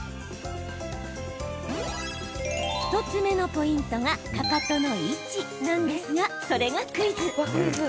１つ目のポイントがかかとの位置なんですがそれがクイズ。